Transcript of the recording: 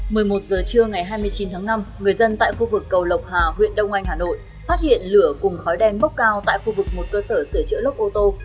một mươi một giờ trưa ngày hai mươi chín tháng năm người dân tại khu vực cầu lộc hà huyện đông anh hà nội phát hiện lửa cùng khói đen bốc cao tại khu vực một cơ sở sửa chữa lốc ô tô